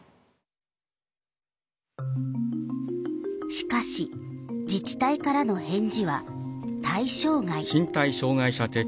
しかし自治体からの返事は「対象外」。